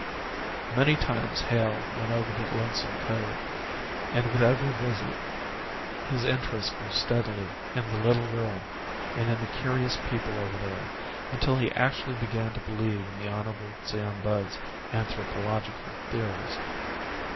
Many times Hale went over to Lonesome Cove and with every visit his interest grew steadily in the little girl and in the curious people over there, until he actually began to believe in the Hon. Sam Budd's anthropological theories.